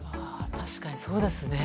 確かに、そうですね。